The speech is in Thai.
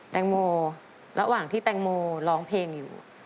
แตงโมระหว่างที่แตงโมร้องเพลงอยู่